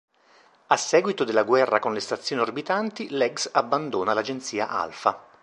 A seguito della guerra con le Stazioni Orbitanti Legs abbandona l'agenzia Alfa.